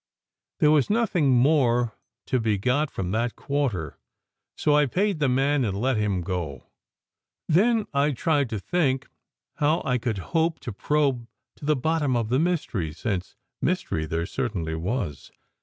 There was nothing more to be got from that quarter, so I paid the man and let him go. Then I tried to think how I could hope to probe to the bottom of the mystery, since mystery there certainly was.